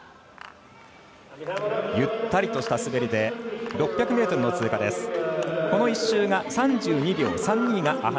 ゆったりとした滑りで６００ｍの通過です。